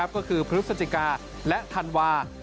ก็คือพฤศจิกาและธันวา